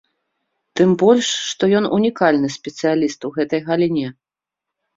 Тым больш, што ён унікальны спецыяліст у гэтай галіне.